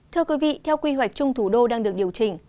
thưa quý vị theo quy hoạch chung thủ đô đang được điều chỉnh